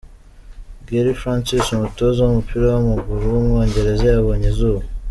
Gerry Francis, umutoza w’umupira w’amaguru w’umwongereza yabonye izuba.